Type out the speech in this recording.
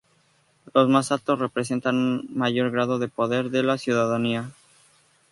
Los más altos representan un mayor grado de poder de la ciudadanía.